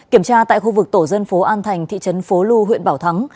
kiểm tra tại khu vực tổ dân phố an thành thị trấn phố lu huyện bảo thắng